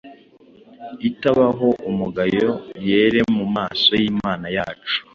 itabaho umugayo, yere mu maso y’Imana yacu,